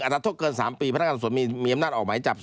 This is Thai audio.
๑อัตรัฐกเกิน๓ปีพนักงานสวมีมีอำนาจออกไหมจับ